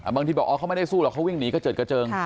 บางทีบอกอ๋อเขาไม่ได้สู้หรอกเขาวิ่งหนีกระเจิดกระเจิง